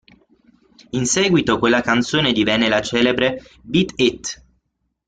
In seguito quella canzone divenne la celebre "Beat It".